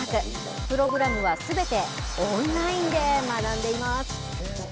プログラムはすべてオンラインで学んでいます。